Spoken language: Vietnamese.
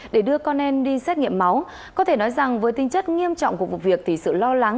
để đưa con em đi xét nghiệm máu có thể nói rằng với tinh chất nghiêm trọng của vụ việc thì sự lo lắng